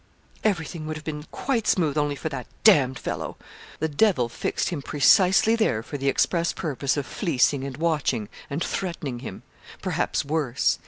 'Everything would have been quite smooth only for that d fellow. The Devil fixed him precisely there for the express purpose of fleecing and watching, and threatening him perhaps worse.